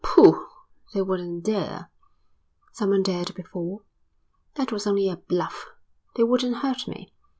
"Pooh! They wouldn't dare." "Someone dared before." "That was only a bluff. They wouldn't hurt me.